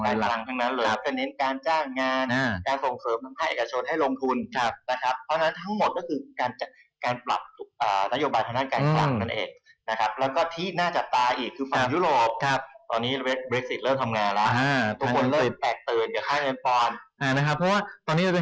เป็นเน้นการจ้างงานการส่งเสริมขายเอกชนให้ลงทุน